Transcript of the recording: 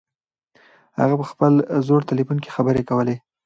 هغه په خپل زوړ تلیفون کې خبرې کولې.